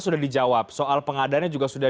sudah dijawab soal pengadaannya juga sudah